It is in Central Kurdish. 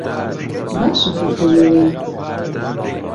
باشە کە تۆ لێرەیت.